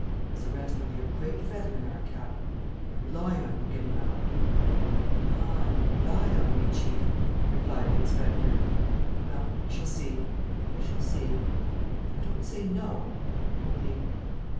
His arrest would be a great feather in our cap. I rely on you, Ganimard." "Ah, you rely on me, chief?" replied the inspector. "Well, we shall see ... we shall see.... I don't say no.... Only...."